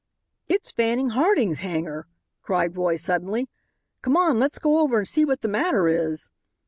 "It's Fanning Harding's hangar!" cried Roy suddenly; "come on, let's go over and see what the matter is."